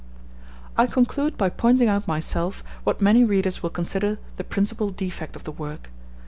I conclude by pointing out myself what many readers will consider the principal defect of the work.